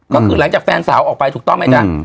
ก็คือหลังจากแฟนสาวออกไปถูกต้องไหมจ๊ะ